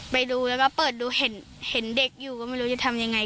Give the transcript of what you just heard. ไปดูแล้วก็เปิดดูเห็นเด็กอยู่ก็ไม่รู้จะทำยังไง